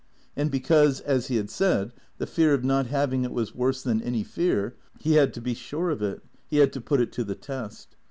And because, as he had said, the fear of not having it was worse than any fear, he had to be sure of it, he had to put it to the test.